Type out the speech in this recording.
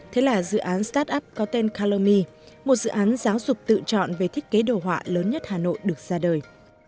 thế là dự án start up có tên calomy một dự án giáo dục tự chọn về thiết kế đồ họa lớn nhất hà nội được ra đời